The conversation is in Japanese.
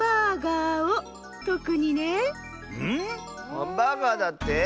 ハンバーガーだって？